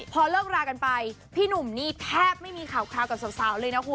พอเลิกรากันไปพี่หนุ่มนี่แทบไม่มีข่าวคราวกับสาวเลยนะคุณ